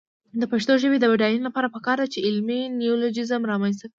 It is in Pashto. د پښتو ژبې د بډاینې لپاره پکار ده چې علمي نیولوجېزم رامنځته شي.